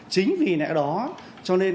chính vì nãy đó cho nên